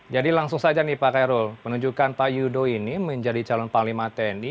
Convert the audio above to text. jadi langsung saja nih pak kairul menunjukkan pak yudo ini menjadi calon panglima tni